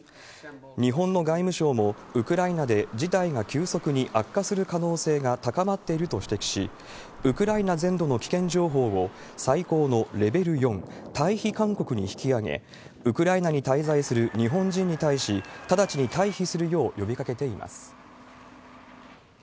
日本の外務省もウクライナで事態が急速に悪化する可能性が高まっていると指摘し、ウクライナ全土の危険情報を最高のレベル４、退避勧告に引き上げ、ウクライナに滞在する日本人に対し、直ちに退避するよう呼びかけています。